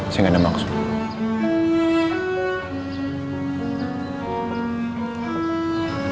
saya gak ada maksud